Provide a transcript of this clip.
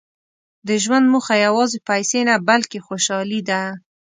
• د ژوند موخه یوازې پیسې نه، بلکې خوشالي ده.